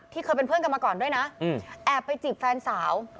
เคยเป็นเพื่อนกันมาก่อนด้วยนะแอบไปจีบแฟนสาว